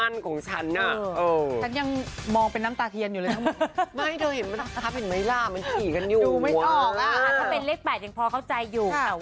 อยู่ถ้ำน้ำตาเทียนเลย